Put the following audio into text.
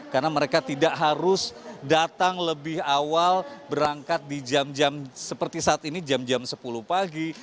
karena mereka tidak harus datang lebih awal berangkat di jam jam seperti saat ini jam jam sepuluh pagi